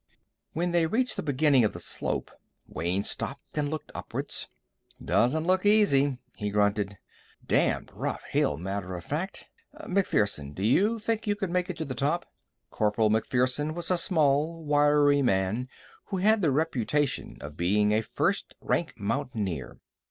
When they reached the beginning of the slope, Wayne stopped and looked upwards. "Doesn't look easy," he grunted. "Damned rough hill, matter of fact. MacPherson, do you think you could make it to the top?" Corporal MacPherson was a small, wiry man who had the reputation of being a first rank mountaineer.